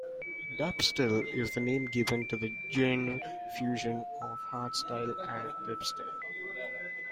Dubstyle is the name given to the genre fusion of hardstyle and dubstep.